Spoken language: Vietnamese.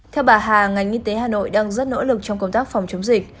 theo bà hà ngành y tế hà nội đang rất nỗ lực trong công tác phòng chống dịch